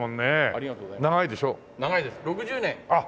ありがとうございます。